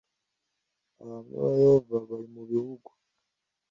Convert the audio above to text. abahamya ba yehova bari mu bihugu